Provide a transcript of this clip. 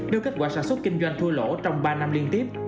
đưa kết quả sản xuất kinh doanh thua lỗ trong ba năm liên tiếp